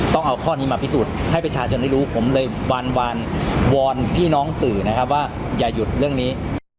ต้องเอาข้อนี้มาพิสูจน์ให้ประชาชนได้รู้ผมเลยวานวอนพี่น้องสื่อนะครับว่าอย่าหยุดเรื่องนี้